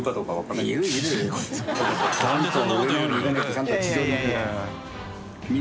なんでそんなこと言うのよ？